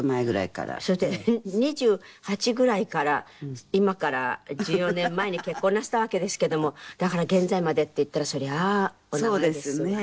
それで２８ぐらいから今から１４年前に結婚なすったわけですけどもだから現在までっていったらそりゃお長いですわね。